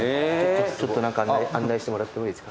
ちょっと案内してもらってもいいですか？